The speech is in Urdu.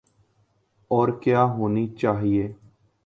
اورکیا ہونی چاہیے۔